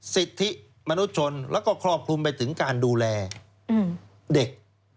สิทธิมนุษยชนแล้วก็ครอบคลุมไปถึงการดูแลเด็ก